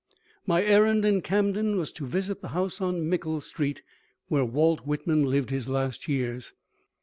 My errand in Camden was to visit the house on Mickle Street where Walt Whitman lived his last years.